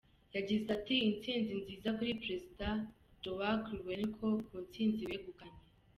Yagize ati "Intsinzi nziza kuri Perezida João Lourenço ku ntsinzi wegukanye.